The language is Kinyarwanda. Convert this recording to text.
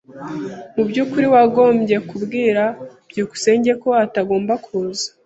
Mubyukuri wagombye kubwira byukusenge ko atagomba kuza.